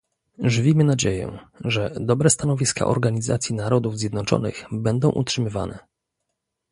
Żywimy nadzieję, że dobre stanowiska Organizacji Narodów Zjednoczonych będą utrzymywane